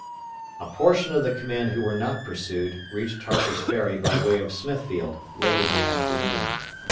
A portion of the command who were not pursued reached Harper's Ferry by way of Smithfield late in the afternoon.